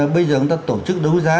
bây giờ chúng ta tổ chức đấu giá